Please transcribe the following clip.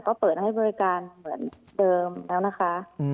ก็เปิดให้บริการเหมือนเดิมแล้วนะคะ